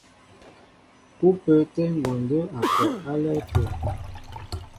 Ú pə́ə́tɛ́ ngwɔndə́ a kɔ álɛ́ɛ́ tə̂.